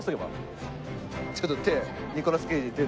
ちょっと手ニコラス・ケイジ手手を。